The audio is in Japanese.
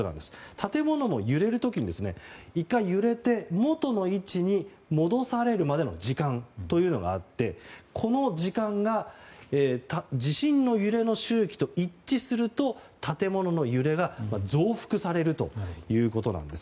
建物の揺れる時に１回、揺れて元の位置に戻されるまでの時間があってこの時間が地震の揺れの周期と一致すると建物の揺れが増幅されるということです。